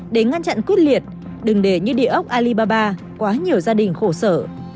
để ngăn chặn quyết liệt đừng để như địa ốc alibaba quá nhiều gia đình khổ sở